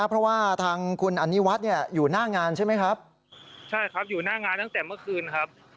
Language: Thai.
เพราะว่าทางคุณอนิวัฒน์เนี่ยอยู่หน้างานใช่ไหมครับใช่ครับอยู่หน้างานตั้งแต่เมื่อคืนครับ